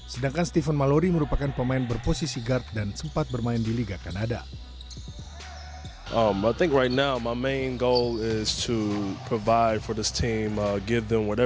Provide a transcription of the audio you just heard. sedangkan stephen malory merupakan pemain berposisi guard dan sempat bermain di liga kanada